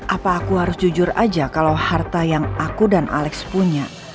apa aku harus jujur aja kalau harta yang aku dan alex punya